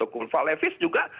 kepala levis juga